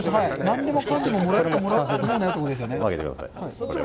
何でもかんでももらえるわけないですよね。